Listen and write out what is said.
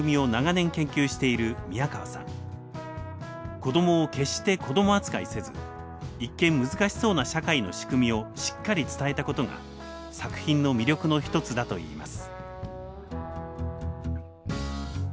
子どもを決して子ども扱いせず一見難しそうな社会の仕組みをしっかり伝えたことが作品の魅力の一つだといいます。